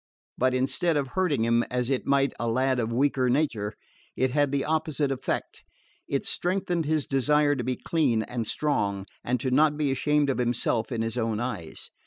But instead of hurting him, as it might a lad of weaker nature, it had the opposite effect. It strengthened his desire to be clean and strong, and to not be ashamed of himself in his own eyes.